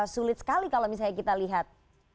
sulit sekali kalau misalnya kita lihat